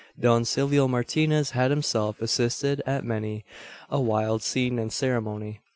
Don Silvio Martinez had himself assisted at many a wild scene and ceremony.